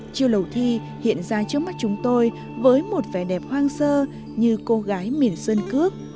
chiêu lầu thi hiện ra trước mắt chúng tôi với một vẻ đẹp hoang sơ như cô gái miền sơn cước